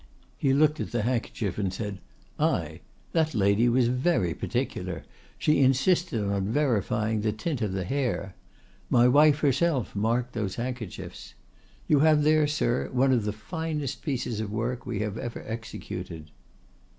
'—He looked at the handkerchief, and said, 'Ay! that lady was very particular, she insisted on verifying the tint of the hair. My wife herself marked those handkerchiefs. You have there, sir, one of the finest pieces of work we have ever executed.